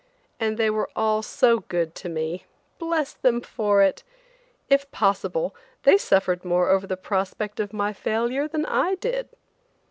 And they were all so good to me! Bless them for it! If possible, they suffered more over the prospect of my failure than I did.